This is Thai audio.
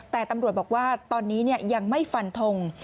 แต่ตำรวจบอกว่าตอนนี้ยังไม่ฟันทง